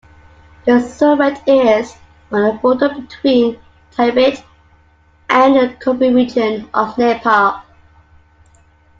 The summit is on the border between Tibet and the Khumbu region of Nepal.